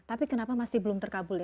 tapi kenapa masih belum terkabul ya